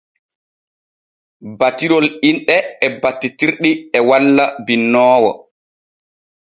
Battirol inɗe e battitirɗi e walla binnoowo.